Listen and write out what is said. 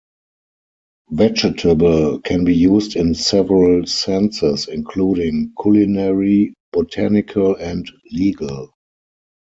"Vegetable" can be used in several senses, including culinary, botanical and legal.